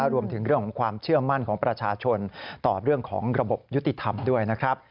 รวมถึงเรื่องของความเชื่อมั่นของประชาชนต่อเรื่องของระบบยุติธรรมด้วยนะครับ